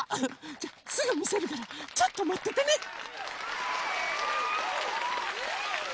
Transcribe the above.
じゃあすぐみせるからちょっとまっててね！